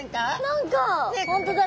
何か本当だ。